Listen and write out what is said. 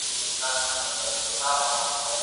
نذير احمد تايي امين مفتون